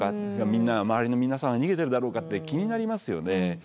みんなは周りの皆さんは逃げてるだろうかって気になりますよね。